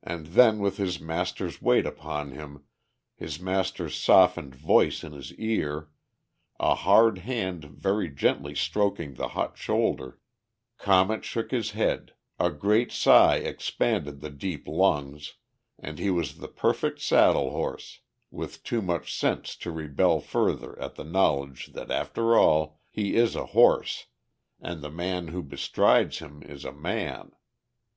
And then with his master's weight upon him, his master's softened voice in his ear, a hard hand very gently stroking the hot shoulder, Comet shook his head, a great sigh expanded the deep lungs, and he was the perfect saddle horse with too much sense to rebel further at the knowledge that after all he is a horse and the man who bestrides him is a man.